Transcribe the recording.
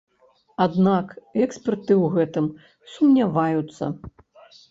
Аднак эксперты ў гэтым сумняваюцца.